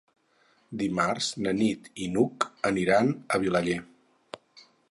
Dimarts na Nit i n'Hug aniran a Vilaller.